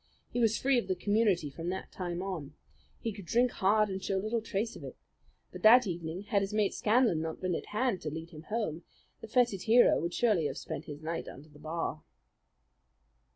He was free of the community from that time on. He could drink hard and show little trace of it; but that evening, had his mate Scanlan not been at hand to lead him home, the feted hero would surely have spent his night under the bar.